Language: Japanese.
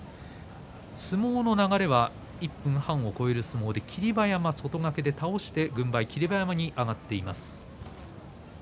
相撲の流れは１分半を超える相撲で霧馬山が外掛けで倒して軍配は霧馬山に上がっています。